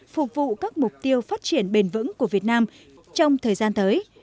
phục vụ các mục tiêu phát triển bền vững của việt nam trong thời gian tới